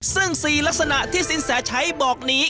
ซึ่ง๔ลักษณะที่ศิลป์แสงบ่อกนี้